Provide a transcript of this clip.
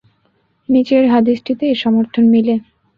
নিচের হাদীসটিতে এর সমর্থন মিলে।